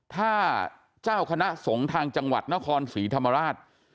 ถ้าเจ้าคณะสงฆ์ทางจังหวัดนครศรีธรรมราช